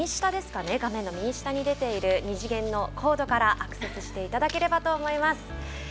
ぜひ今、画面の右下に出ている二次元のコードからアクセスしていただければと思います。